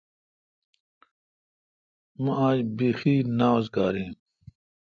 مہ آج بیہی نا اوزگار این